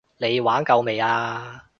你玩夠未啊？